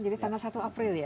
jadi tanggal satu april ya